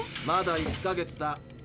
まだ１か月だ。